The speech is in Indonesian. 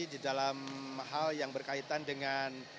di dalam hal yang berkaitan dengan